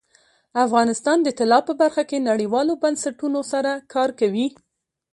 افغانستان د طلا په برخه کې نړیوالو بنسټونو سره کار کوي.